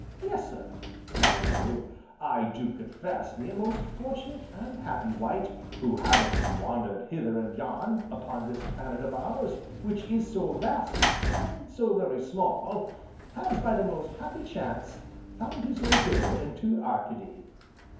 "Yes, sir," nodded Bellew, "I do confess me a most fortunate, and happy, wight who, having wandered hither and yon upon this planet of ours, which is so vast, and so very small, has, by the most happy chance, found his way hither into Arcady."